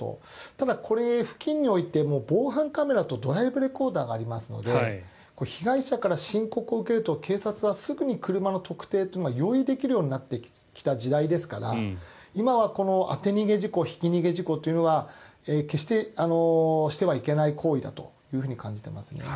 ただ、付近においても防犯カメラとドライブレコーダーがありますので被害者から申告を受けると警察はすぐに車の特定は容易にできるようになってきた時代ですから今は当て逃げ事故ひき逃げ事故というのは決してしてはいけない行為だと感じていますね。